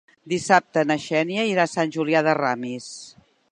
Dissabte na Xènia irà a Sant Julià de Ramis.